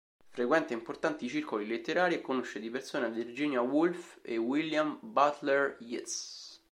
Frequenta importanti circoli letterari e conosce di persona Virginia Woolf e William Butler Yeats.